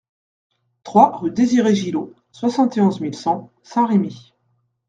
trois rue Desire Gilot, soixante et onze mille cent Saint-Rémy